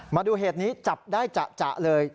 มาดูเหตุนี้จับได้จะเลย